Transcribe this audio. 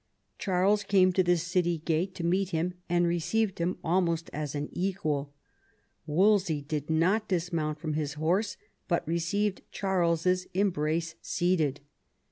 Charles came to the city gate to meet him, and received him almost as an equal. Wolsey did not dismount from his horse, but received Charles's embrace seated.